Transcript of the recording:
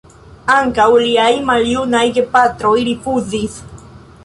Ankaŭ liaj maljunaj gepatroj rifuzis.